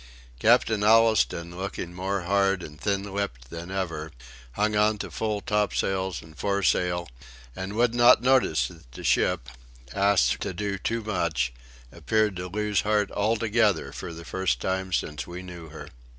Captain Allistoun, looking more hard and thin lipped than ever, hung on to full topsails and foresail, and would not notice that the ship, asked to do too much, appeared to lose heart altogether for the first time since we knew her.